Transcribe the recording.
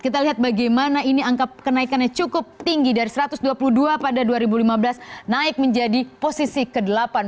kita lihat bagaimana ini angka kenaikannya cukup tinggi dari satu ratus dua puluh dua pada dua ribu lima belas naik menjadi posisi ke delapan belas